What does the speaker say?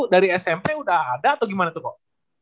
dari smp udah ada atau gimana tuh kok